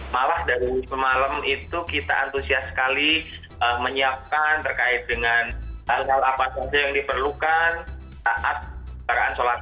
malah dari semalam itu kita antusias sekali menyiapkan terkait dengan hal hal apa saja yang diperlukan saat perayaan sholat